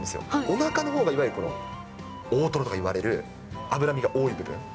おなかのほうがいわゆる大トロとかいわれる、脂身が多い部分。